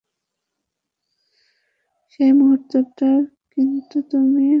সেই মুহূর্তটা কিন্তু তুমি বাছবে না।